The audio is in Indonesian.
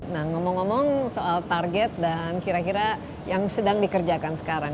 nah ngomong ngomong soal target dan kira kira yang sedang dikerjakan sekarang